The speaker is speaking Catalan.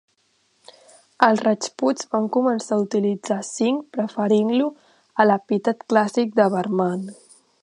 Els rajputs van començar a utilitzar singh preferint-lo a l'epítet clàssic de "Varman".